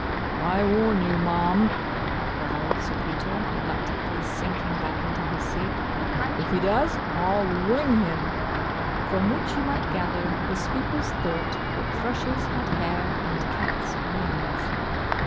"I warn you, ma'am," growled Sir Peter, reluctantly sinking back into his seat, "if he does, I 'll wing him." From which you might gather the speakers thought that thrushes had hair and cats wings.